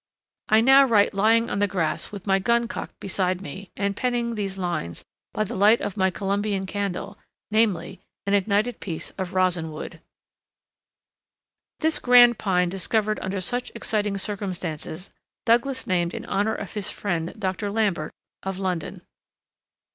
I now write lying on the grass with my gun cocked beside me, and penning these lines by the light of my Columbian candle, namely, an ignited piece of rosin wood. This grand pine discovered under such, exciting circumstances Douglas named in honor of his friend Dr. Lambert of London.